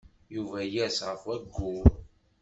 Yuba yers ɣef wayyur.